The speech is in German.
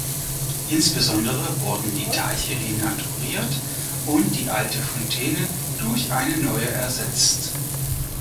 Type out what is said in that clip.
Insbesondere wurden die Teiche renaturiert und die alte Fontäne durch eine neue ersetzt.